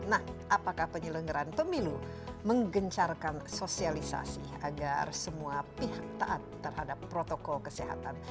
nah apakah penyelenggaran pemilu menggencarkan sosialisasi agar semua pihak taat terhadap protokol kesehatan